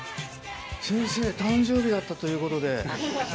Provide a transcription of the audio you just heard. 先生誕生日やったということで。